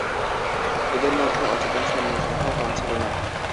এদের মধ্যে অচেতন সৈন্যের সংখ্যাও কম ছিল না।